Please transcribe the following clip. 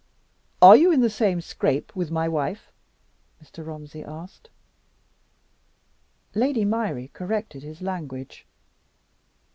"Are you in the same scrape with my wife?" Mr. Romsey asked. Lady Myrie corrected his language.